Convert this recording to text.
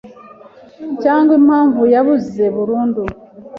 cyangwa impamvu yabuze burundu